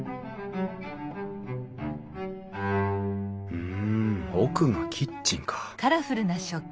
うん奥がキッチンか。